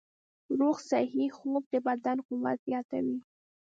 روغ صحي خوب د بدن قوت زیاتوي.